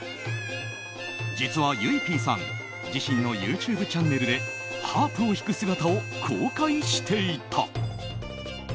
実はゆいＰさん、自身のＹｏｕＴｕｂｅチャンネルでハープを弾く姿を公開していた。